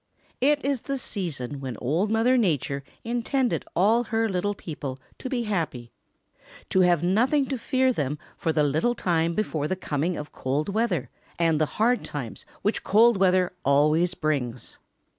It is the season when Old Mother Nature intended all her little people to be happy, to have nothing to worry them for the little time before the coming of cold weather and the hard times which cold weather always brings.